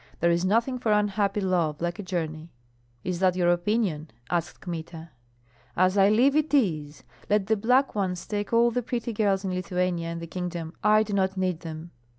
There is nothing for unhappy love like a journey." "Is that your opinion?" asked Kmita. "As I live, it is! Let the black ones take all the pretty girls in Lithuania and the kingdom, I do not need them."